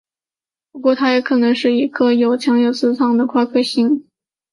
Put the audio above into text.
不过它也可能是一颗有强磁场的夸克星。